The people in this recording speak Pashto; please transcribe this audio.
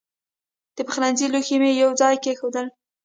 د پخلنځي لوښي مې یو ځای کېښودل.